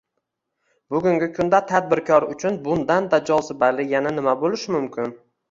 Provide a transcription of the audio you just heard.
Bugungi kunda tadbirkor uchun bundan-da jozibali yana nima bo‘lishi mumkin?